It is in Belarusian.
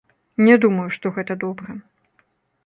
Не думаю, што гэта добра.